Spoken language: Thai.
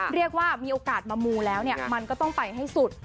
เรียกว่ามีโอกาสมามูแล้วมันก็ต้องไปให้สุด